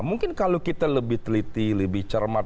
mungkin kalau kita lebih teliti lebih cermat